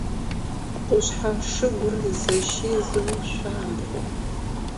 Къушъхьэ шыгур зэщизэу шъуамбгъо.